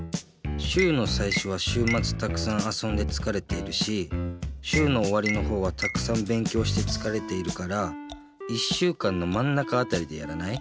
週のさいしょは週まつたくさんあそんでつかれているし週のおわりのほうはたくさん勉強してつかれているから１週間のまんなかあたりでやらない？